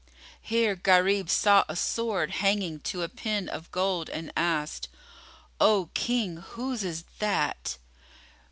Here Gharib saw a sword hanging to a pin of gold and asked, "O King, whose is that?"